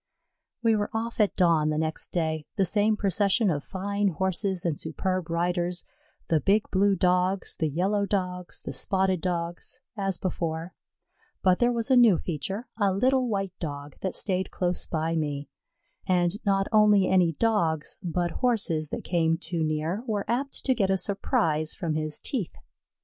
We were off at dawn the next day the same procession of fine Horses and superb riders; the big blue Dogs, the yellow Dogs, the spotted Dogs, as before; but there was a new feature, a little white Dog that stayed close by me, and not only any Dogs, but Horses that came too near were apt to get a surprise from his teeth.